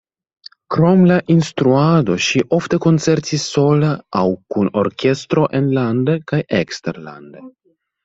Krom la instruado ŝi ofte koncertis sola aŭ kun orkestro enlande kaj eksterlande.